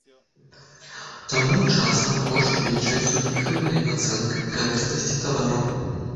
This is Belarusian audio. Таму часам кошт лічаць суб'ектыўнай ацэнкай карыснасці тавару.